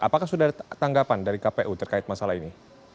apakah sudah ada tanggapan dari kpu terkait masalah ini